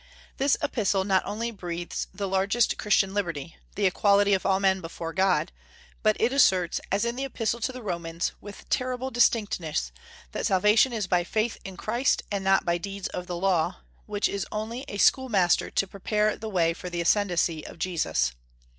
This epistle not only breathes the largest Christian liberty, the equality of all men before God, but it asserts, as in the Epistle to the Romans, with terrible distinctness, that salvation is by faith in Christ and not by deeds of the Law, which is only a schoolmaster to prepare the way for the ascendency of Jesus.